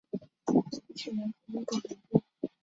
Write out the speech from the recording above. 山区人口密度很低。